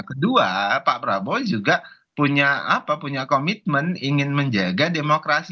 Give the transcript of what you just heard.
kedua pak prabowo juga punya komitmen ingin menjaga demokrasi